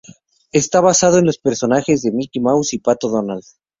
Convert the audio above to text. Está basado en los personajes de Mickey Mouse y Pato Donald.